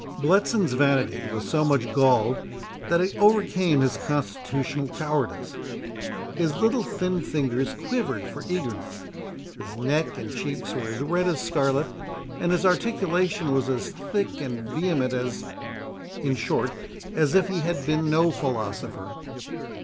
Bletson's vanity was so much galled that it overcame his constitutional cowardice. His little thin fingers quivered for eagerness, his neck and cheeks were as red as scarlet, and his articulation was as thick and vehement as—in short, as if he had been no philosopher.